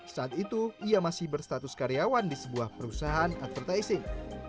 saat itu ia masih berstatus karyawan di sebuah perusahaan advertising